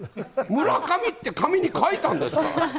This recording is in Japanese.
村上って紙に書いたんですから。